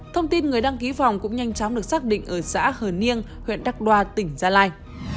thông tin người đăng ký phòng cũng nhanh chóng được xác định ở xã hờ nêng huyện đắc đoa tỉnh gia lai